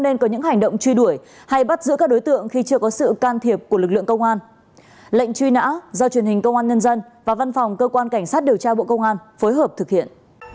phòng cảnh sát hình sự công an nhân dân và văn phòng cơ quan cảnh sát điều tra bộ công an phối hợp thực hiện